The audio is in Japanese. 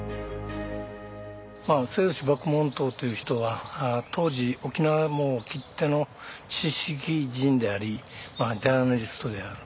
末吉麦門冬という人は当時沖縄きっての知識人でありジャーナリストである。